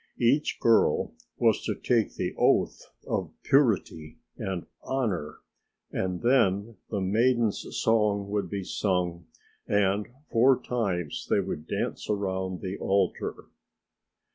Each girl was to take the oath of purity and honor, and then the maidens' song would be sung and four times they would dance around the altar.